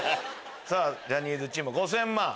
さぁジャニーズチーム５０００万。